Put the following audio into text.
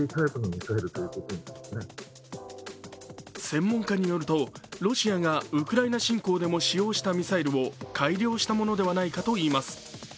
専門家によるとロシアがウクライナ侵攻でも使用したミサイルを、改良したものではないかといいます。